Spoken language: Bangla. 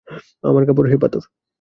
আমার কাপড়, হে পাথর!